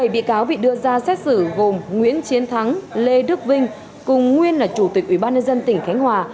bảy bị cáo bị đưa ra xét xử gồm nguyễn chiến thắng lê đức vinh cùng nguyên là chủ tịch ủy ban nhân dân tỉnh khánh hòa